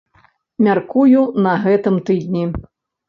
Мяркую, на гэтым тыдні.